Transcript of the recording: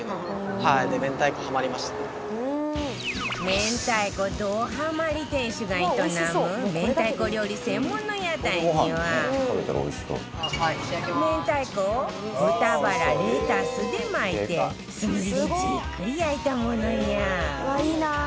明太子どハマリ店主が営む明太子料理専門の屋台には明太子を豚バラレタスで巻いて炭火でじっくり焼いたものや